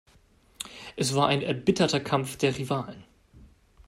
Es war ein erbitterter Kampf der Rivalen.